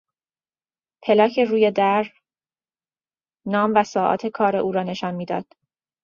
پلاک روی در نام و ساعات کار او را نشان میداد.